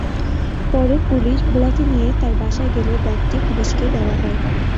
পরে পুলিশ ভোলাকে নিয়ে তাঁর বাসায় গেলে ব্যাগটি পুলিশকে দেওয়া হয়।